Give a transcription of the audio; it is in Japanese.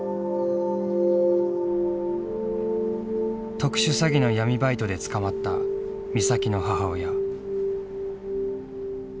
特殊詐欺の闇バイトで捕まった美咲の母親。